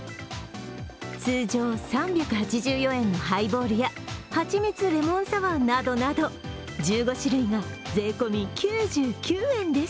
通常３８４円のハイボールや蜂蜜レモンサワーなど１５種類が税込み９９円です。